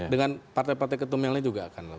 dengan partai partai ketum yang lain juga akan